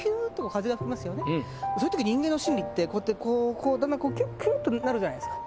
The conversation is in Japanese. そういう時人間の心理ってこうやってこうだんだんキュッとなるじゃないですか。